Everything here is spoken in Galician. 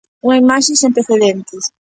Unha imaxe sen precedentes.